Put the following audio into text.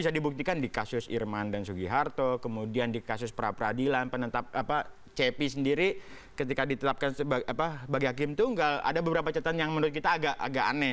bisa dibuktikan di kasus irman dan sugiharto kemudian di kasus pra peradilan penetapan cepi sendiri ketika ditetapkan sebagai hakim tunggal ada beberapa catatan yang menurut kita agak aneh